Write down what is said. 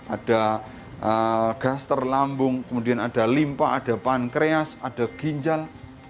ada gaster lambung kemudian ada limpa ada pankreas ada ginjal